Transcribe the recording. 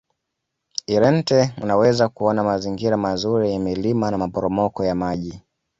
irente unaweza kuona mazingira mazuri yenye milima na maporomoko ya maji